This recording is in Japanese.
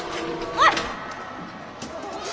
おい！